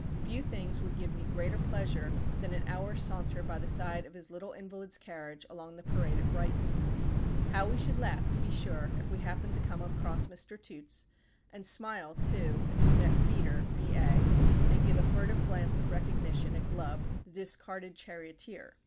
Few things would give me greater pleasure than an hour's saunter by the side of his little invalid's carriage along the Parade at Brighton. How we should laugh, to be sure, if we happened to come across Mr. Toots, and smile, too, if we met Feeder, B.A., and give a furtive glance of recognition at Glubb, the discarded charioteer.